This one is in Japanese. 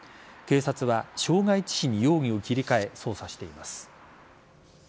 警察は傷害致死に容疑を切り替え捜査しています。